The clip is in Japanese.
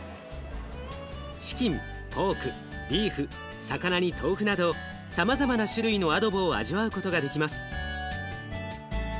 チキンポークビーフ魚に豆腐などさまざまな種類のアドボを味わうことができます。